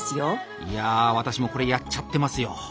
いや私もこれやっちゃってますよ。